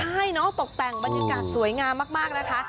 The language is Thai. ใช่เนาะตกแต่งบรรยากาศสวยงามมากนะคะ